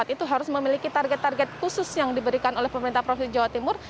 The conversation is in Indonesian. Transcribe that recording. itu harus memiliki target target khusus yang diberikan oleh pemerintah provinsi jawa timur